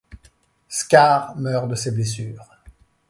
Scar meurt de ses blessures.